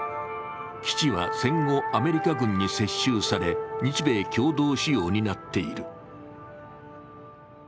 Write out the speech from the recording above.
基地は、戦後アメリカ軍に接収され日米共同使用になっている。